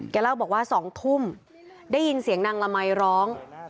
เล่าบอกว่า๒ทุ่มได้ยินเสียงนางละมัยร้อง